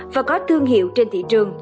và có thương hiệu trên thị trường